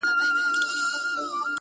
زه څوک لرمه.